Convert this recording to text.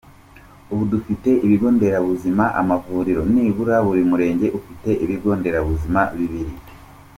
Ubu dufite ibigo nderabuzima, amavuriro, nibura buri murenge ufite ibigo nderabuzima bibiri.